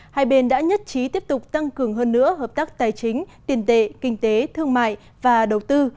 hai bên đã nhất trí tiếp tục tăng cường hơn nữa hợp tác tài chính tiền tệ kinh tế thương mại và đầu tư